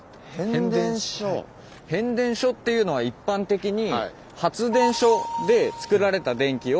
変電所っていうのは一般的に。